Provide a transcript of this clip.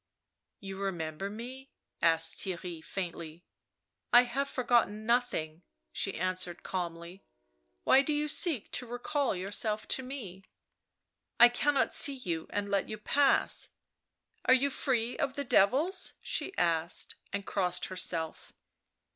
"You remember me?" asked Theirry faintly. " I have forgotten nothing," she answered calmly. " Why do you seek to recall yourself to me ?"" I cannot see you and let you pass." " Are you free of the devils ?" she asked, and crossed herself.